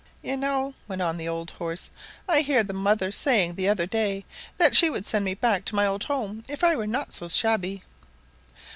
"You know," went on the old horse, "I heard the mother saying the other day that she would send me back to my old home if I were not so shabby."